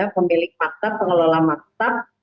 pemilik maktab pengelola maktab